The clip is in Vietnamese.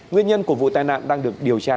nguyên nhân của vụ tai nạn đang được điều tra làm